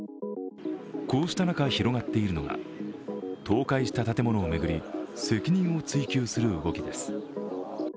こうした中広がっているのが倒壊した建物を巡り、責任を追及する動きです。